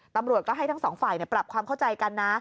ตำรวจก็ให้ทั้งสองฝ่ายปรับความเข้าใจกันนะ